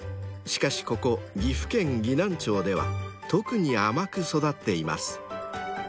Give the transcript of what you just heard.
［しかしここ岐阜県岐南町では特に甘く育っています］